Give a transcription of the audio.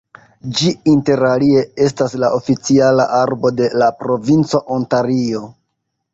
Ĝi interalie estas la oficiala arbo de la provinco Ontario.